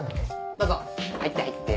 どうぞ入って入って。